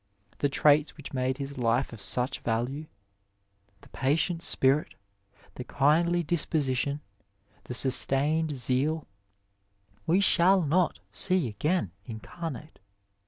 The traits which made his life of such value — ^the patient spirit, the kindly disposition, the sustained zeal — ^we shall not see again incarnate.